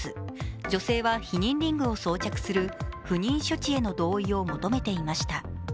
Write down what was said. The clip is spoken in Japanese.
女性は避妊リングを装着する不妊処置への同意を求めていました。